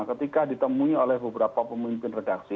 ketika ditemui oleh beberapa pemimpin redaksi